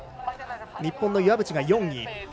日本の岩渕が４位。